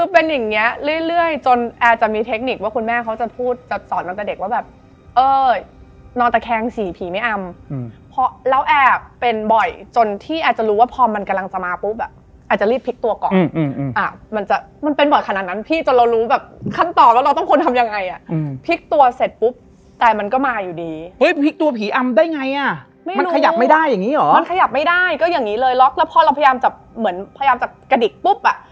เป็นเรื่องเป็นแบบแต่เราฟังอะมันไม่ใช่แบบ